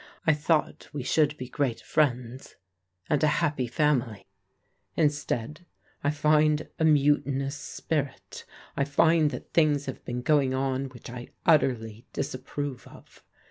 I thought we should be great friends, and a happy family. Instead, I find a mutinous spirit. I find that things have been going on which I utterly disapprove of.